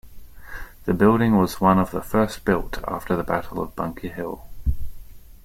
The building was one of the first built after the Battle of Bunker Hill.